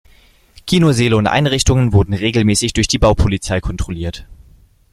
Kinosäle und -einrichtungen wurden regelmäßig durch die Baupolizei kontrolliert.